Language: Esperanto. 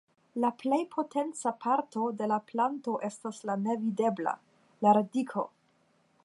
La plej potenca parto de la planto estas la nevidebla: la radiko.